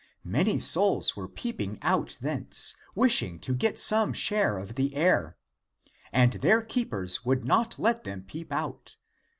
Many souls were peeping out thence, wishing to get some share of the air. And their keepers would not let them peep out.